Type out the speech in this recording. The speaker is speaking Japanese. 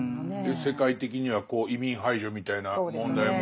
世界的には移民排除みたいな問題もありますしね。